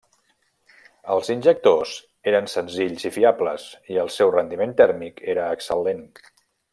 Els injectors eren senzills i fiables i el seu rendiment tèrmic era excel·lent.